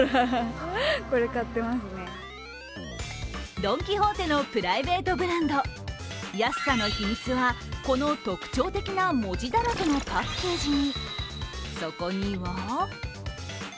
ドン・キホーテのプライベートブランド、安さの秘密はこの特徴的な文字だらけのパッケージに。